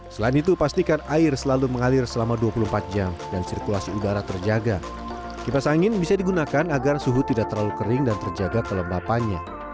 selain itu pastikan air selalu mengalir selama dua puluh empat jam dan sirkulasi udara terjaga kipas angin bisa digunakan agar suhu tidak terlalu kering dan terjaga kelembapannya